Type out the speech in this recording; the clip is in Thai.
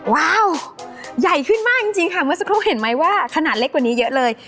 ว้าวใหญ่ขึ้นมากจริงค่ะเมื่อสักครู่เห็นไหมว่าขนาดเล็กกว่านี้เยอะเลย